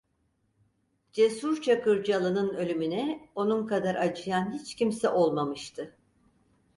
Cesur Çakırcalı'nın ölümüne onun kadar acıyan hiç kimse olmamıştı.